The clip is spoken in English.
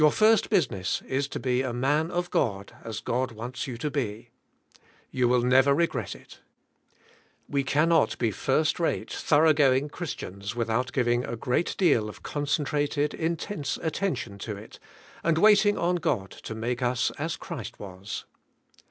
Your first business is to be a man of God as God wants you to be. You will never regret it. We cannot be first rate, thoroughgoing Christians with out giving a great deal of concentrated, intense at tention to it, and waiting on God to make us as Christ was.